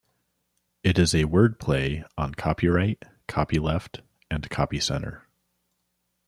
It is a word play on copyright, copyleft and copy center.